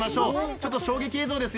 ちょっと衝撃映像です。